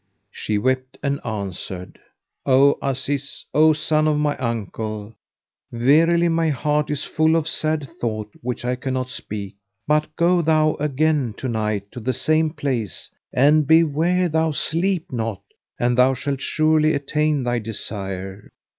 She wept and answered, "O Aziz, O son of my uncle, verily my heart is full of sad thought which I cannot speak: but go thou again to night to the same place and beware thou sleep not, and thou shalt surely attain thy desire.